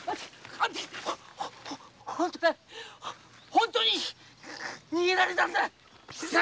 本当に本当に逃げられたんだ。